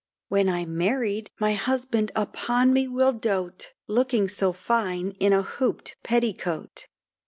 When I'm married, my husband upon me will doat, Looking so fine in a hooped petticoat.